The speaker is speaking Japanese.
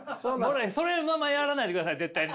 それのままやらないでください絶対に。